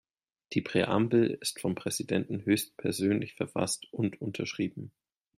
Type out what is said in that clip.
Die Präambel ist vom Präsidenten höchstpersönlich verfasst und unterschrieben.